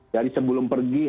dari sebelum pergi